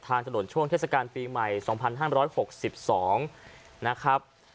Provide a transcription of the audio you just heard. ถนนช่วงเทศกาลปีใหม่๒๕๖๒นะครับ